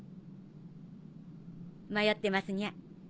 迷ってますにゃ。